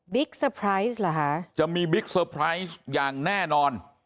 เซอร์ไพรส์เหรอคะจะมีบิ๊กเซอร์ไพรส์อย่างแน่นอน